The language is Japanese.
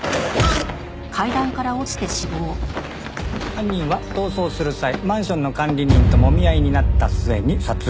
犯人は逃走する際マンションの管理人ともみ合いになった末に殺害。